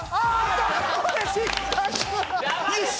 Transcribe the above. よし！